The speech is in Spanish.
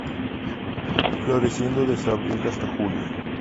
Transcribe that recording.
Floreciendo desde abril hasta julio.